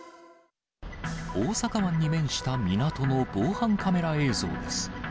大阪湾に面した港の防犯カメラ映像です。